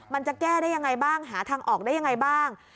มันจะแก้ได้ยังไงบ้างหาทางออกได้ยังไงบ้าง